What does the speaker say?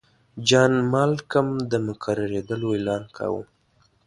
جان مالکم د مقررېدلو اعلان کاوه.